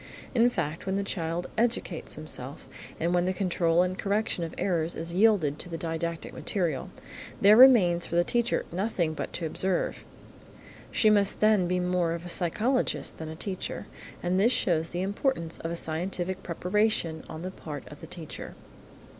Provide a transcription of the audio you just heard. In fact, when the child educates himself, and when the control and correction of errors is yielded to the didactic material, there remains for the teacher nothing but to observe. She must then be more of a psychologist than a teacher, and this shows the importance of a scientific preparation on the part of the teacher.